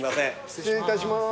失礼いたします。